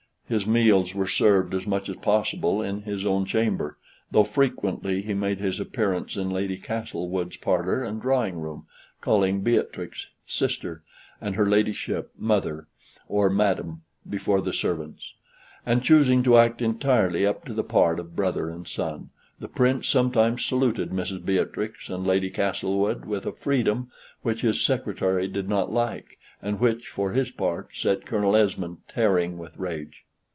His meals were served as much as possible in his own chamber, though frequently he made his appearance in Lady Castlewood's parlor and drawing room, calling Beatrix "sister," and her ladyship "mother," or "madam" before the servants. And, choosing to act entirely up to the part of brother and son, the Prince sometimes saluted Mrs. Beatrix and Lady Castlewood with a freedom which his secretary did not like, and which, for his part, set Colonel Esmond tearing with rage.